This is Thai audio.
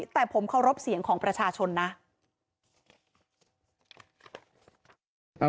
แต่ผมเคารพเสียงของประชาชนนะ